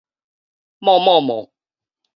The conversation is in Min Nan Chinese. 癟癟癟